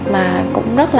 mà cũng rất là